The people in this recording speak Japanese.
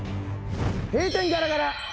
閉店ガラガラ。